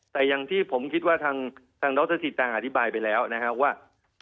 แต่อย่างที่ผมคิดว่าทางดรจิตังอธิบายไปแล้วนะครับว่า